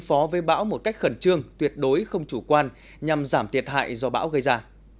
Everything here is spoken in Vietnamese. phó với bão một cách khẩn trương tuyệt đối không chủ quan nhằm giảm thiệt hại do bão gây ra